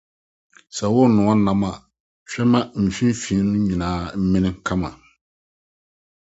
Worenoa ɛnam a, hwɛ ma mfimfini nyinaa mmen kama.